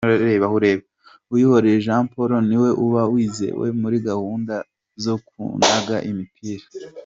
Uwihoreye Jean Paul ni we uba wizewe muri gahunda zo kunaga imipira .